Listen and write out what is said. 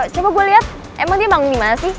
coba gue liat emang dia bangun dimana sih